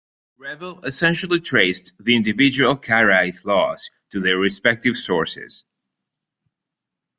Revel essentially traced the individual Karaite laws to their respective sources.